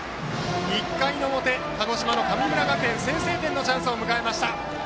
１回の表、鹿児島の神村学園先制点のチャンスを迎えました。